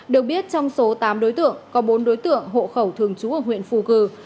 được biết trong số tám đối tượng có bốn đối tượng hộ khẩu thường trú ở huyện phù cử